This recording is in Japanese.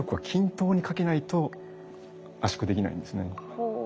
ほう。